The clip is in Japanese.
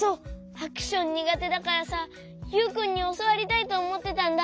アクションにがてだからさユウくんにおそわりたいとおもってたんだ。